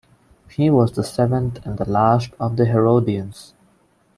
He was the seventh and last of the Herodians.